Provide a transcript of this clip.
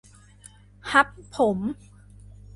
ฮับผม